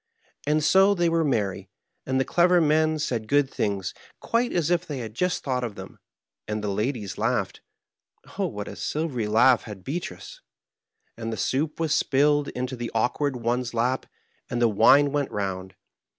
And so they were merry, and the clever men said good things quite as if they had just thought of them, and the ladies laughed — oh, what a sil very laugh had Beatrice I — and the soup was spilled into the awk ward one's lap, and the wine went round.